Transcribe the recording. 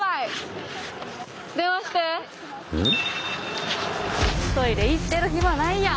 うん。